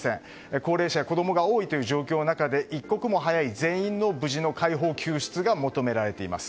高齢者や子供が多い状況の中で一刻も早い全員の無事の解放・救出が求められます。